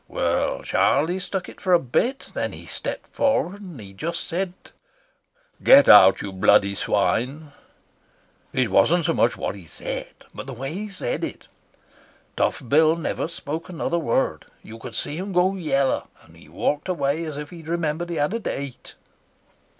Well, Charlie stuck it for a bit, then he stepped forward and he just said: 'Get out, you bloody swine.' It wasn't so much what he said, but the way he said it. Tough Bill never spoke another word; you could see him go yellow, and he walked away as if he'd remembered he had a date."